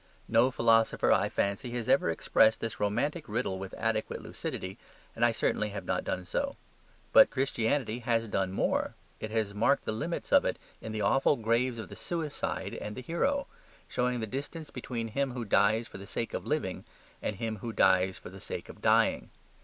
No philosopher, I fancy, has ever expressed this romantic riddle with adequate lucidity, and I certainly have not done so. But Christianity has done more: it has marked the limits of it in the awful graves of the suicide and the hero, showing the distance between him who dies for the sake of living and him who dies for the sake of dying.